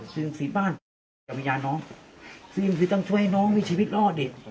สิ่งศิษฐ์บ้านกับวิญญาณน้องสิ่งศิษฐ์ต้องช่วยให้น้องมีชีวิตรอดดิ